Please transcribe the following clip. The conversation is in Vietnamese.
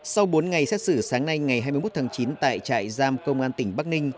sau bốn ngày xét xử sáng nay ngày hai mươi một tháng chín tại trại giam công an tỉnh bắc ninh